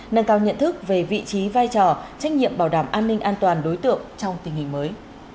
nâng cao nhận thức về vị trí vai trò trách nhiệm bảo đảm an ninh an toàn đối tượng trong tình hình mới